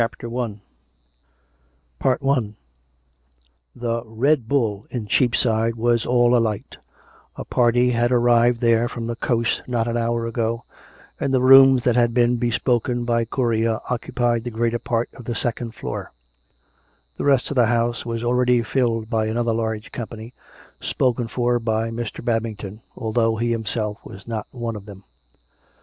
PART III CHAPTER I The " Red Bull " in Cheapside was all alight ; a party had arrived there from the coast not an hour ago, and the rooms that had been bespoken by courier occupied the greater part of the second floor; the rest of the house was already filled by another large company, spoken for by Mr. Bab ington, although he himself was not one of them.